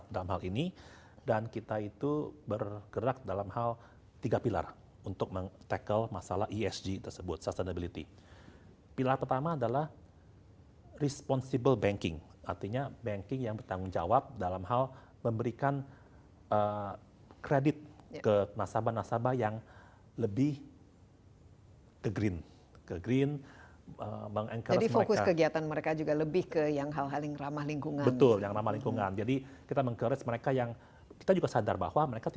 dan juga untuk mengembangkan kemampuan ekonomi